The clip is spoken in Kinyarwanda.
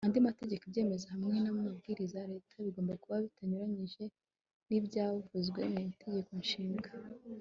andi mategeko, ibyemezo, hamwe n'amabwiriza ya leta bigomba kuba bitanyuranyije n'ibyavuzwe mu itegeko nshinga